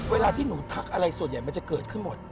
เวลาที่หนูทักอะไรส่วนใหญ่มันจะเกิดขึ้นหมด